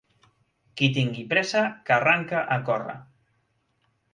Qui tinga pressa, que arranque a córrer.